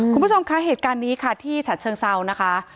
คุณผู้ชมคะเหตุการณ์นี้ค่ะที่ฉัดเชิงเซานะคะ